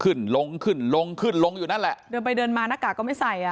ขึ้นลงขึ้นลงขึ้นลงอยู่นั่นแหละเดินไปเดินมาหน้ากากก็ไม่ใส่อ่ะ